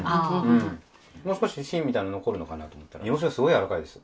もう少し芯みたいなの残るのかなと思ったら煮干しがすごい柔らかいです。